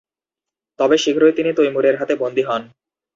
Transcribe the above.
তবে শীঘ্রই তিনি তৈমুরের হাতে বন্দী হন।